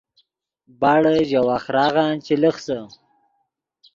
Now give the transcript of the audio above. باڑے ژے وَخۡراغن چے لخسے